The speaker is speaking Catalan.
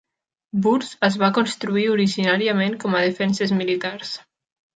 Burhs es van construir originàriament com a defenses militars.